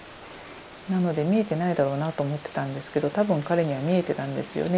なので見えてないだろうなと思ってたんですけど多分彼には見えてたんですよね。